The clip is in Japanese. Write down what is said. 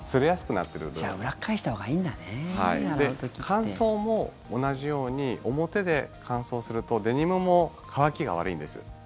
乾燥も同じように表で乾燥するとデニムも乾きが悪いんです。